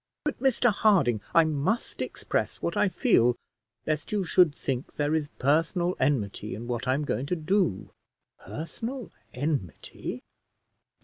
"But, Mr Harding, I must express what I feel, lest you should think there is personal enmity in what I'm going to do." "Personal enmity!